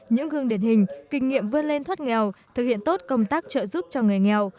những gương điển hình kinh nghiệm vươn lên thoát nghèo thực hiện tốt công tác trợ giúp cho người nghèo